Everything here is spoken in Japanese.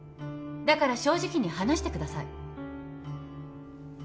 だから正直に話してください。